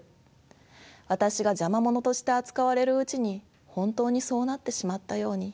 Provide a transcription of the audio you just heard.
私が邪魔者として扱われるうちに本当にそうなってしまったように。